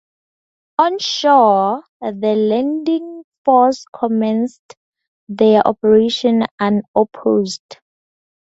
On shore, the landing force commenced their operations unopposed.